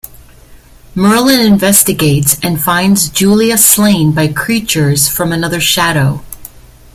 Merlin investigates and finds Julia slain by creatures from another shadow.